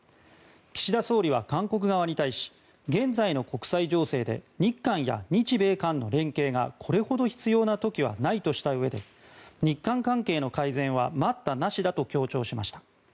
岸田総理は韓国側に対し現在の国際情勢で日韓や日米韓の連携がこれほど必要な時はないとしたうえで日韓関係の改善は待ったなしだと強調しました。